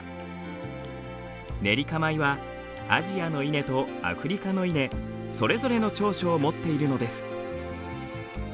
ネリカ米はアジアの稲とアフリカの稲それぞれの長所を持っているのです。